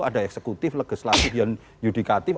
ada eksekutif legislatif dan yudikatif